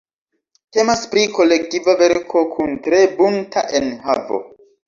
Temas pri kolektiva verko kun tre bunta enhavo.